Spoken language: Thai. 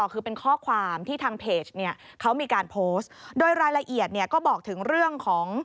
คือเป็นข้อความที่ทางเพจเนี่ยเขามีการโพสต์โดยรายละเอียดเนี่ยก็บอกถึงเรื่องของ